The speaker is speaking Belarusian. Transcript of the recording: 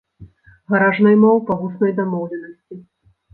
Гараж наймаў па вуснай дамоўленасці.